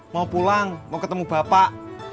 mau pulang mau ketemu bapak